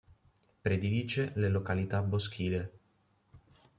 Predilige le località boschive.